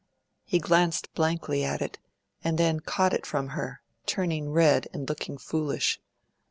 He glanced blankly at it and then caught it from her, turning red and looking foolish.